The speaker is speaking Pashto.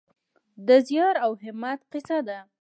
د زیار او همت کیسه ده.